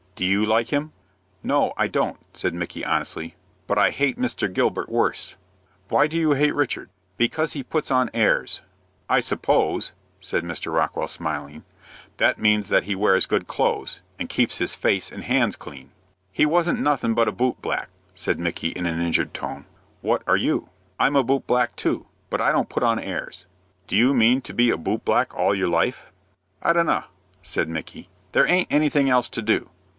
"Do you like him?" "No, I don't," said Micky, honestly; "but I hate Mr. Gilbert worse." "Why do you hate Richard?" "Because he puts on airs." "I suppose," said Mr. Rockwell, smiling, "that means that he wears good clothes, and keeps his face and hands clean." "He wasn't nothin' but a boot black," said Micky, in an injured tone. "What are you?" "I'm a boot black too; but I don't put on airs." "Do you mean to be a boot black all your life?" "I dunna," said Micky; "there aint anything else to do."